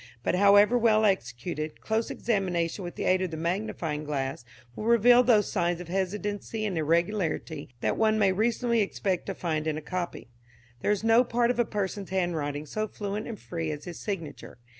But however well executed, close examination with the aid of the magnifying glass will reveal those signs of hesitancy and irregularity that one may reasonably expect to find in a copy. There is no part of a person's handwriting so fluent and free as his signature.